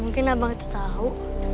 mungkin abang itu tahu